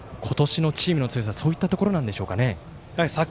今年のチームの強さそういうところなんでしょうか。